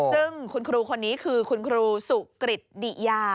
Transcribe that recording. ซึ่งคุณครูคนนี้คือคุณครูสุกริตดิยา